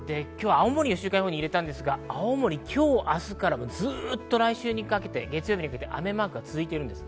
今日は青森を週間予報に入れましたが、今日、明日からずっと来週にかけて月曜日にかけて雨マークが続いています。